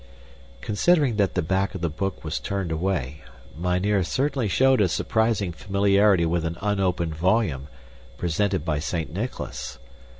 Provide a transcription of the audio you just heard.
Considering that the back of the book was turned away, mynheer certainly showed a surprising familiarity with an unopened volume, presented by Saint Nicholas.